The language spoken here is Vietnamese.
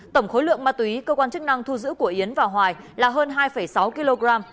tổng khối lượng ma túy cơ quan chức năng thu giữ của yến và hoài là hơn hai sáu kg